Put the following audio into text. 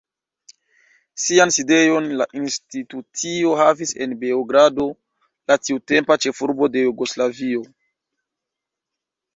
Sian sidejon la institucio havis en Beogrado, la tiutempa ĉefurbo de Jugoslavio.